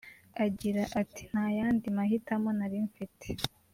Agira ati “Nta yandi mahitamo nari mfite